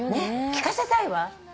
聞かせたいわ。